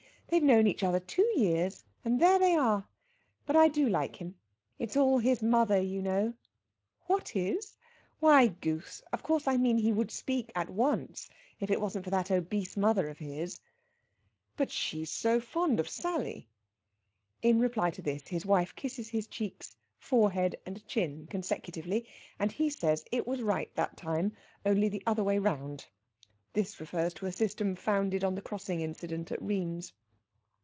They've known each other two years, and there they are! But I do like him. It's all his mother, you know ... what is?... why, goose of course I mean he would speak at once if it wasn't for that obese mother of his." "But she's so fond of Sally." In reply to this his wife kisses his cheeks, forehead, and chin consecutively, and he says it was right that time, only the other way round. This refers to a system founded on the crossing incident at Rheims.